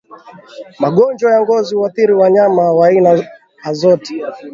Magonjwa ya ngozi huathiri wanyama wa aina azote